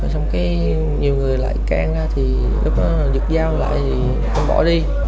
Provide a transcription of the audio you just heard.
xong cái nhiều người lại can ra thì lúc đó giật dao lại thì ông bỏ đi